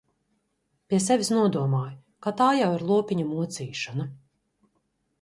Pie sevis nodomāju, ka tā jau ir lopiņa mocīšana.